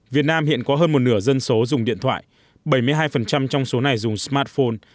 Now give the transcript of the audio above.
việt nam hiện có hơn một nửa dân số dùng điện thoại bảy mươi hai trong số này dùng smartphone